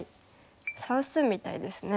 算数みたいですね。